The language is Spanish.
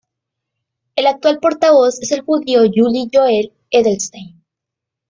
El actual portavoz es el judío Yuli-Yoel Edelstein.